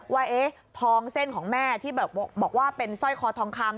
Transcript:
ว่าทองเส้นของแม่ที่บอกว่าเป็นสร้อยคอทองคำ